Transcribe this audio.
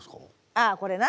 ああこれな。